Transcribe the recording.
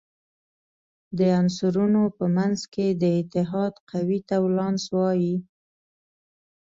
د عنصرونو په منځ کې د اتحاد قوې ته ولانس وايي.